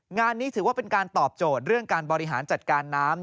งานนี้ถือว่าเป็นการตอบโจทย์เรื่องการบริหารจัดการน้ำ